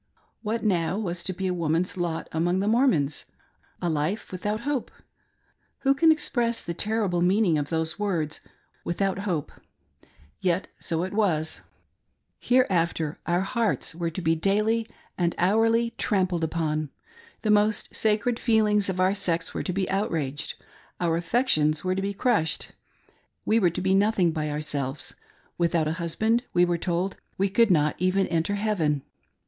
What now was to be a woman's lot among the Mormons > A life without hope ! Who can express the terrible meaning of those words — without hope! Yet so it was. Hereaftei 140 ALONE AND IN TROUBLE. our hearts were to be daily and hourly trampled upon ; the most sacred feelings of our sex were to be outraged, our affec tions* were to be crushed ;— henceforth we were to be nothing by ourselves ; without a husband, we were told, we could not even enter heaven